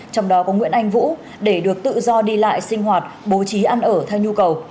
trong đó có nguyễn anh vũ để được tự do đi lại sinh hoạt bố trí ăn ở theo nhu cầu